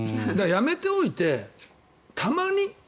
やめておいて、たまに。